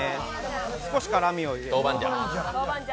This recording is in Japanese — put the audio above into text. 少し辛みを入れます。